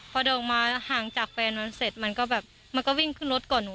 พอเดินออกมาห่างจากแฟนมันเสร็จมันก็แบบมันก็วิ่งขึ้นรถก่อนหนู